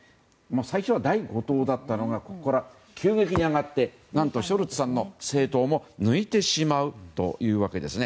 最初は第５党だったのが急激に上がって何と、ショルツさんの政党も抜いてしまうわけです。